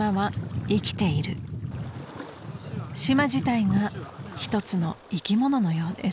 ［島自体が一つの生き物のようです］